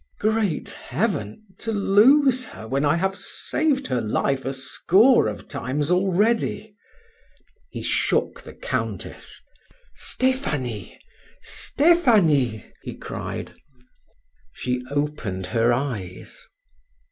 "Great heaven! to lose her when I have saved her life a score of times already." He shook the Countess, "Stephanie! Stephanie!" he cried. She opened her eyes.